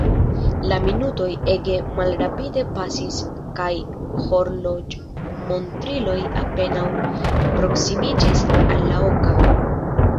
La minutoj ege malrapide pasis kaj la horloĝmontriloj apenaŭ proksimiĝis al la oka.